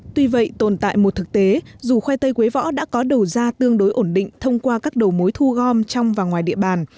tuy vậy tồn tại một thực tế dù khoai tây quế võ đã có đầu ra tương đối ổn định thông qua các đầu mối thu gom trong và ngoài địa bàn